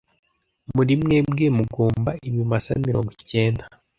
muri mwebwe mugomba ibimasa mirongo icyenda